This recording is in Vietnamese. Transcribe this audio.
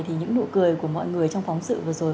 thì những nụ cười của mọi người trong phóng sự vừa rồi